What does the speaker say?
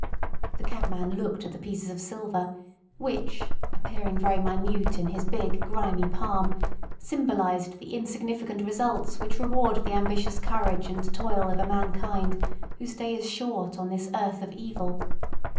The cabman looked at the pieces of silver, which, appearing very minute in his big, grimy palm, symbolised the insignificant results which reward the ambitious courage and toil of a mankind whose day is short on this earth of evil.